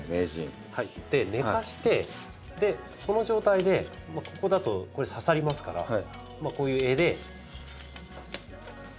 寝かせてこの状態でここだとこれ刺さりますからこういう柄で。